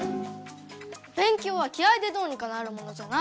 べん強は気合いでどうにかなるものじゃない。